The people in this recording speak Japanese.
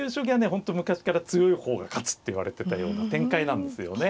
本当昔から強い方が勝つっていわれてたような展開なんですよね。